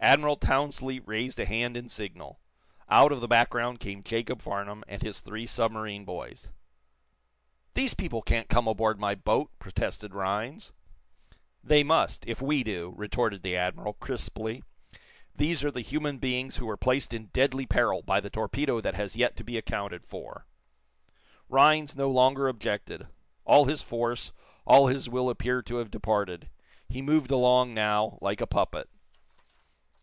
Admiral Townsley raised a hand in signal. Out of the background came Jacob Farnum and his three submarine boys. "These people can't come aboard my boat!" protested Rhinds. "They must, if we do," retorted the admiral, crisply. "These are the human beings who were placed in deadly peril by the torpedo that has yet to be accounted for." Rhinds no longer objected. All his force, all his will appeared to have departed. He moved along, now, like a puppet.